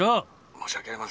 「申し訳ありません。